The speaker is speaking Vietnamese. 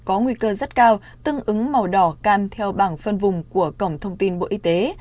có nguy cơ rất cao tương ứng màu đỏ can theo bảng phân vùng của cổng thông tin bộ y tế